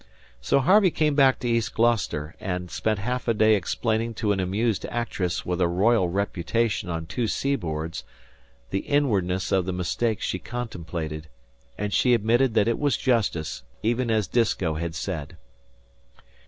So Harvey came back to East Gloucester, and spent half a day explaining to an amused actress with a royal reputation on two seaboards the inwardness of the mistake she contemplated; and she admitted that it was justice, even as Disko had said.